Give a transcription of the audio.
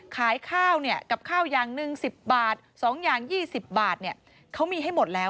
ขายข้าวกับข้าวยางหนึ่ง๑๐บาท๒ยาง๒๐บาทเนี่ยเขามีให้หมดแล้ว